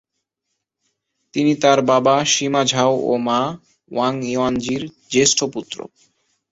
তিনি তার বাবা সিমা ঝাও ও মা ওয়াং ইউয়ানজির জ্যেষ্ঠ পুত্র।